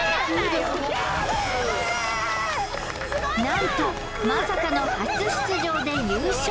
なんとまさかの初出場で優勝